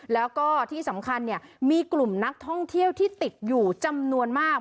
แล้วก็ที่สำคัญมีกลุ่มนักท่องเที่ยวที่ติดอยู่จำนวนมาก